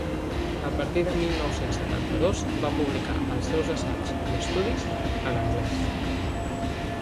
A partir del mil nou-cents setanta-dos, va publicar els seus assaigs i estudis en anglès.